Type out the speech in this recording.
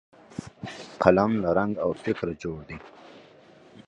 قلم له رنګ او فکره جوړ دی